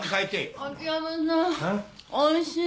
おいしい。